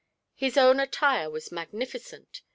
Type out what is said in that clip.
His own attire was magnificent.